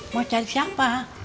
mau cari siapa